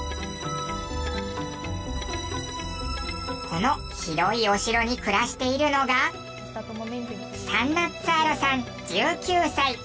この広いお城に暮らしているのがサンナッツァーロさん１９歳。